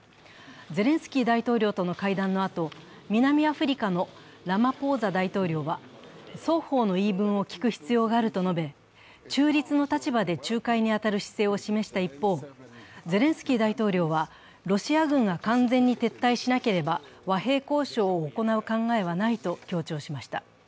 ゼレンスキー大統領との会談のあと、南アフリカのラマポーザ大統領は双方の言い分を聞く必要があると述べ、中立の立場で仲介に当たる姿勢を示した一方、ゼレンスキー大統領は、ロシア軍が完全に撤退しなければ、和平交渉を行う考えはないと強調しました。